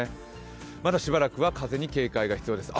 まだしばらくは風に警戒が必要です。